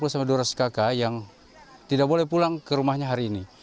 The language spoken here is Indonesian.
satu ratus enam puluh sampai dua ratus kakak yang tidak boleh pulang ke rumahnya hari ini